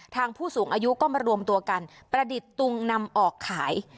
ผู้สูงอายุก็มารวมตัวกันประดิษฐ์ตุงนำออกขาย